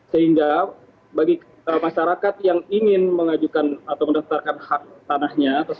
sehingga bagi masyarakat yang ingin mengajukan atau mendaftarkan hak tanahnya